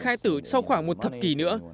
khai tử sau khoảng một thập kỷ nữa